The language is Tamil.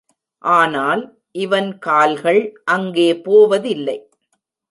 ஆனால் இவன் கால்கள் அங்கே போவதில்லை.